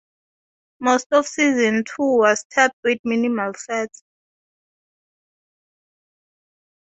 Most of Season Two was taped with minimal sets.